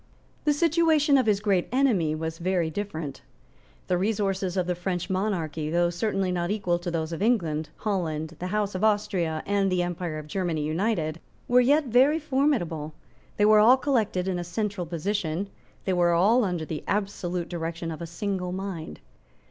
The situation of his great enemy was very different. The resources of the French monarchy, though certainly not equal to those of England, Holland, the House of Austria, and the Empire of Germany united, were yet very formidable; they were all collected in a central position; they were all under the absolute direction of a single mind.